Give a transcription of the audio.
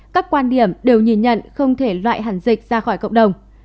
các quan điểm đều nhìn nhận không thể loại hẳn dịch ra khỏi cộng đồng